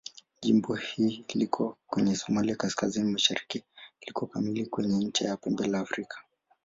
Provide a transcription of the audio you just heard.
Jimbo hili liko kwenye Somalia kaskazini-mashariki liko kamili kwenye ncha ya Pembe la Afrika.